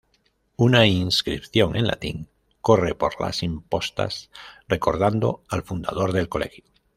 Una inscripción en latín corre por las impostas recordando al fundador del Colegio.